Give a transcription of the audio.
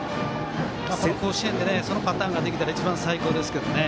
甲子園で、そのパターンができたら一番最高ですけどね。